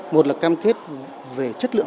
một là cam kết về chất lượng